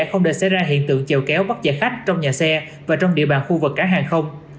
không để xảy ra hiện tượng chèo kéo bắt chạy khách trong nhà xe và trong địa bàn khu vực cả hàng không